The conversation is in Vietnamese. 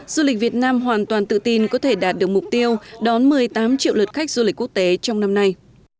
du lịch việt nam hoàn toàn tự tin có thể đạt được mục tiêu đón một mươi tám triệu lượt khách du lịch quốc tế trong năm nay